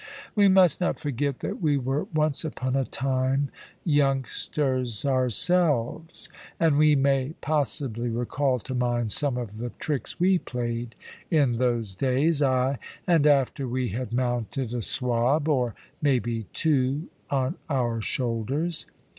We must not forget that we were once upon a time youngsters ourselves, and we may possibly recall to mind some of the tricks we played in those days, ay, and after we had mounted a swab, or maybe two, on our shoulders.